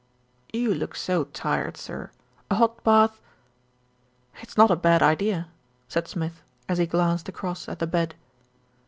"You look so tired, sir, a hot bath " "It's not a bad idea," said Smith, as he glanced across at the bed.